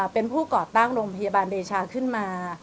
เป็นผู้ก่อตั้งโรงพยาบาลเดชาขึ้นมา